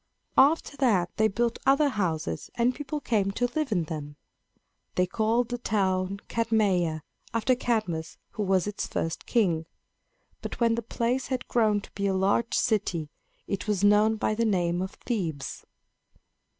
After that they built other houses, and people came to live in them. They called the town Cadmeia, after Cadmus who was its first king. But when the place had grown to be a large city, it was known by the name of Thebes.